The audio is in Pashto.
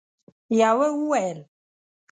يوه وويل: